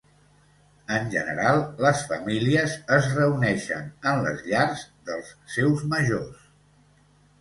En general, les famílies es reuneixen en les llars dels seus majors.